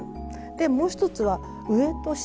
もう一つは上と下。